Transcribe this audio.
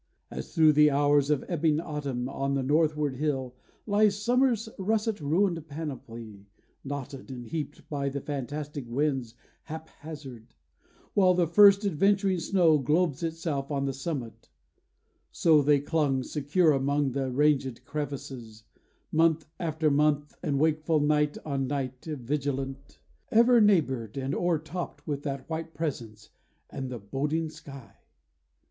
As thro' the hours Of ebbing autumn, on a northward hill, Lies summer's russet ruined panoply, Knotted and heaped by the fantastic winds Hap hazard, while the first adventuring snow Globes itself on the summit; so they clung Secure among the rangèd crevices, Month after month, and wakeful night on night Vigilant; ever neighbored and o'ertopped With that white presence, and the boding sky.